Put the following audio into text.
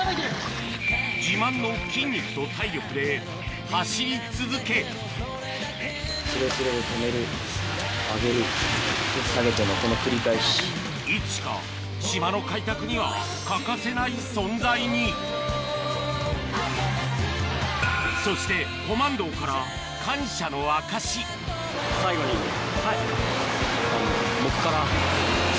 自慢の筋肉と体力で走り続けいつしか島の開拓には欠かせない存在にそしてコマンドーから感謝の証しうわ！